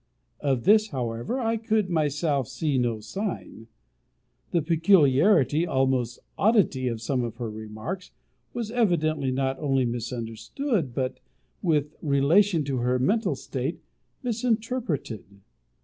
Of this, however, I could myself see no sign. The peculiarity, almost oddity, of some of her remarks, was evidently not only misunderstood, but, with relation to her mental state, misinterpreted.